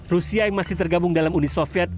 rusia yang masih tergabung dalam uni soviet